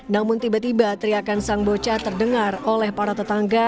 namun tiba tiba teriakan sang bocah terdengar oleh para tetangga